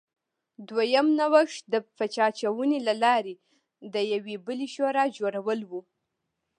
دویم نوښت د پچه اچونې له لارې د یوې بلې شورا جوړول و